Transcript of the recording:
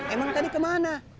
emang tadi kemana